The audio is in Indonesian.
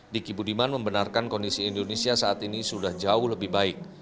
diki budiman membenarkan kondisi indonesia saat ini sudah jauh lebih baik